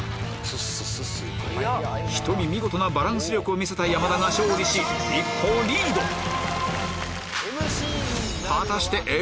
１人見事なバランス力を見せた山田が勝利し一歩リード！